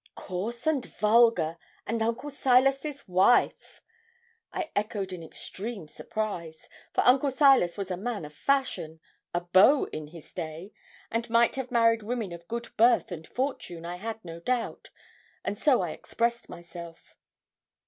'Coarse and vulgar, and Uncle Silas's wife!' I echoed in extreme surprise, for Uncle Silas was a man of fashion a beau in his day and might have married women of good birth and fortune, I had no doubt, and so I expressed myself.